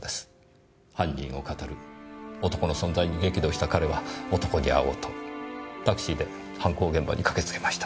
犯人を騙る男の存在に激怒した彼は男に会おうとタクシーで犯行現場に駆けつけました。